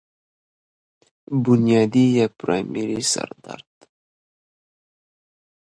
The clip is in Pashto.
بنيادي يا پرائمري سر درد